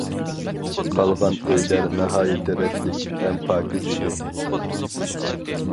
قالغان ئۆيلەر ناھايىتى رەتلىك ھەم پاكىز ئىدى.